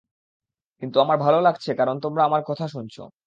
কিন্তু আমার ভালো লাগছে কারণ তোমরা আমার কথা শুনছো।